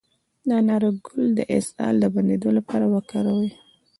د انار ګل د اسهال د بندیدو لپاره وکاروئ